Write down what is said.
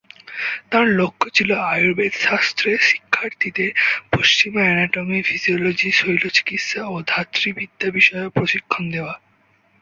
তাঁর লক্ষ্য ছিল আয়ুর্বেদশাস্ত্রের শিক্ষার্থীদের পশ্চিমা অ্যানাটমি, ফিজিওলজি, শৈল্যচিকিৎসা ও ধাত্রীবিদ্যা বিষয়েও প্রশিক্ষণ দেওয়া।